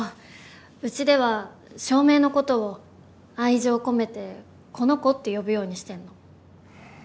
うちでは照明のことを愛情込めて「この子」って呼ぶようにしてんの。